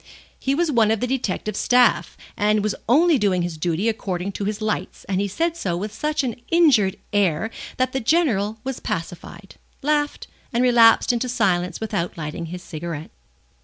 He was one of the detective staff, and was only doing his duty according to his lights, and he said so with such an injured air that the General was pacified, laughed, and relapsed into silence without lighting his cigarette.